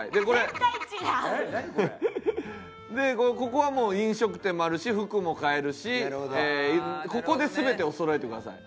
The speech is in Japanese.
ここはもう飲食店もあるし服も買えるしここで全てをそろえてください。